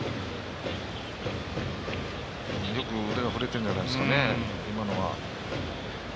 よく腕が振れてるんじゃないですかね。